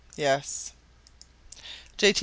"Yes." J. T.